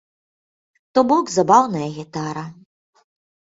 То бок, забаўная гітара.